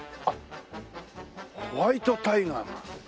あっホワイトタイガーが。